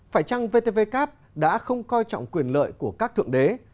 phải chăng vtvcap đã không coi trọng quyền lợi của các thượng đế